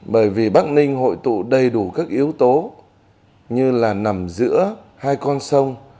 bởi vì bắc ninh hội tụ đầy đủ các yếu tố như là nằm giữa hai con sông